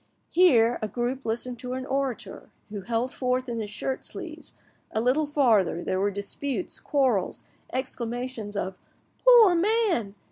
Here, a group listened to an orator who held forth in his shirt sleeves, a little farther there were disputes, quarrels, exclamations of "Poor man!"